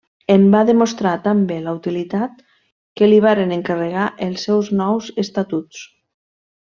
En va demostrar tan bé la utilitat que li varen encarregar els seus nous estatuts.